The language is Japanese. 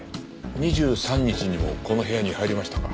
２３日にもこの部屋に入りましたか？